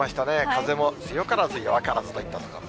風も強からず弱からずといったところ。